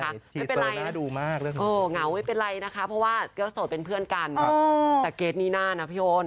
ไม่เป็นไรน่าดูมากเหงาไม่เป็นไรนะคะเพราะว่าก็โสดเป็นเพื่อนกันแต่เกรทนี่น่านะพี่โอน